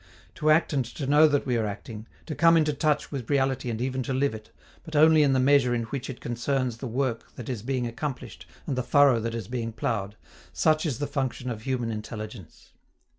To act and to know that we are acting, to come into touch with reality and even to live it, but only in the measure in which it concerns the work that is being accomplished and the furrow that is being plowed, such is the function of human intelligence.